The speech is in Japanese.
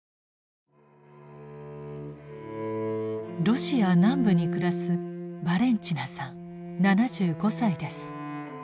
ロシア南部に暮らすバレンチナさん７５歳です。